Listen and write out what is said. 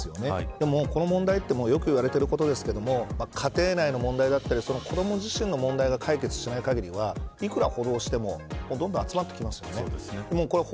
でも、この問題ってよく言われていることですけど家庭内の問題だったり子ども自身の問題が解決しない限りはいくら補導してもどんどん集まってきますよね。